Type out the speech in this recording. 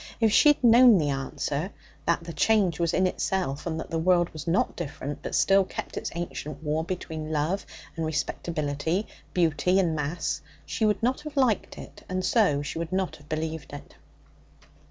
If she had known the answer that the change was in herself, and that the world was not different, but still kept up its ancient war between love and respectability, beauty and mass she would not have liked it, and so she would not have believed it.